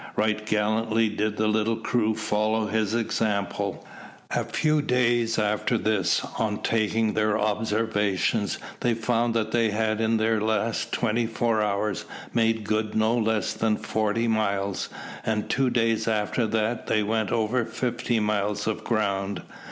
Right gallantly did the little crew follow his example. A few days after this, on taking their observations, they found that they had in this last twenty four hours made good no less than forty miles, and two days after that they went over fifty miles of ground.